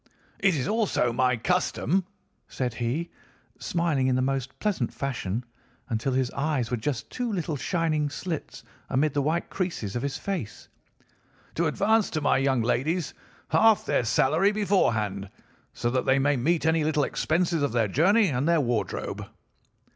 "'It is also my custom,' said he, smiling in the most pleasant fashion until his eyes were just two little shining slits amid the white creases of his face, 'to advance to my young ladies half their salary beforehand, so that they may meet any little expenses of their journey and their wardrobe.